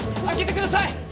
開けてください！